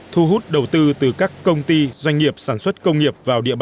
thu hút đầu tư từ các công ty doanh nghiệp sản xuất công nghiệp